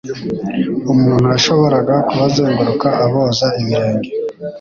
umuntu yashoboraga kubazenguruka aboza ibirenge.